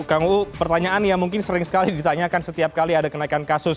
kang uu pertanyaan yang mungkin sering sekali ditanyakan setiap kali ada kenaikan kasus